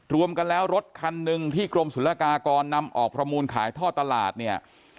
รวมกันแล้วรถคันหนึ่งที่กรมศุลกากรนำออกประมูลขายท่อตลาดเนี่ย